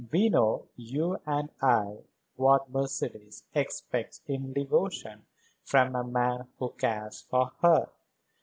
We know, you and I, what Mercedes expects in devotion from a man who cares for her.